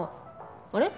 あれ？